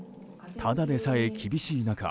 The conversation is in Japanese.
ただでさえ厳しい中